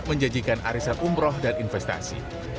menjanjikan arisan umroh dan investasi